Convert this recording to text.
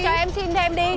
cho em xin thêm đi